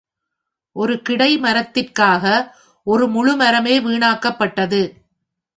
ஒரு கிடைமரத்திற்காக ஒரு முழுமரமே வீணாக்கப்பட்டது.